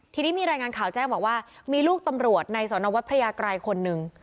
ทีนี้มีรายงานข่าวแจ้งบอกว่ามีลูกตำรวจในสนวัดพระยากรัยคนหนึ่ง